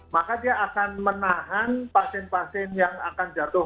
maka dia akan menahan pasien pasien yang akan jatuh